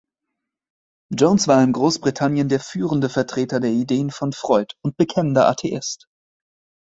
Jones war in Großbritannien der führende Vertreter der Ideen von Freud und bekennender Atheist.